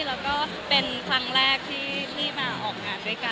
แล้วก็เป็นครั้งแรกที่มาออกงานด้วยกัน